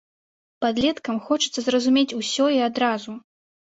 Падлеткам хочацца зразумець усё і адразу.